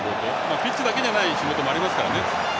ピッチだけじゃない仕事もありますから。